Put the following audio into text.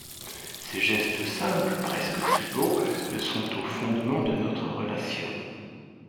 Ces gestes simples, presque tribaux, sont au fondement de notre relation.